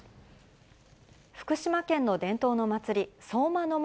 福島県の伝統の祭り、相馬野